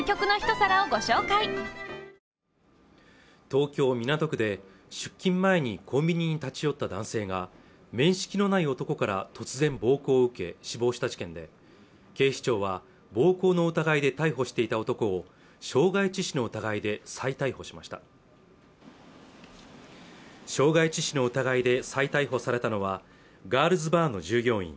東京港区で出勤前にコンビニに立ち寄った男性が面識のない男から突然暴行を受け死亡した事件で警視庁は暴行の疑いで逮捕していた男を傷害致死の疑いで再逮捕しました傷害致死の疑いで再逮捕されたのはガールズバーの従業員